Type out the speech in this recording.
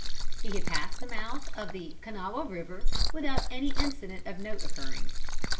He had passed the mouth of the Kanawha River without any incident of note occurring.